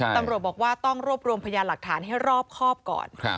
ตำรวจบอกว่าต้องรวบรวมพยานหลักฐานให้รอบครอบก่อน